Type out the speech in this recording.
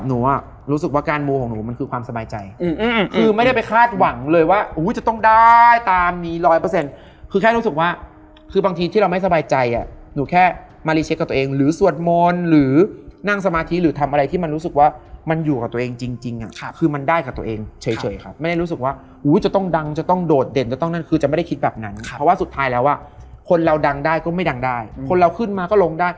หนูก็โดนแล้วตอนปี๑หนูก็โดนแล้วเหมือนเพื่อนหนูเป็นพวกโลกจิตที่ชอบจองอะไรที่ถูกพี่แจ๊ค